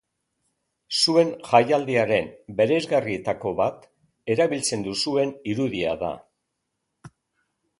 Zuen jaialdiaren bereizgarrietako bat erabiltzen duzuen irudia da.